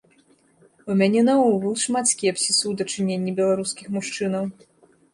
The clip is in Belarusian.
У мяне наогул шмат скепсісу ў дачыненні беларускіх мужчынаў.